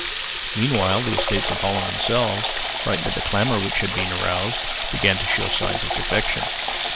Meanwhile the Estates of Holland themselves, frightened at the clamour which had been aroused, began to show signs of defection.